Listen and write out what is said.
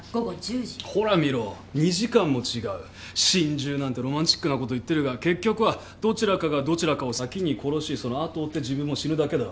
心中なんてロマンチックなこと言ってるが結局はどちらかがどちらかを先に殺しその後を追って自分も死ぬだけだ。